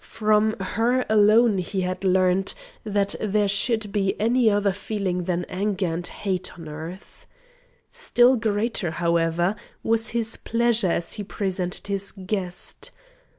From her alone he had learnt that there should be any other feeling than anger and hate on earth. Still greater, however, was his pleasure as he presented his guest.